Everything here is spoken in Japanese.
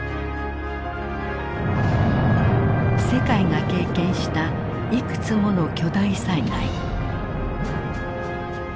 世界が経験したいくつもの巨大災害。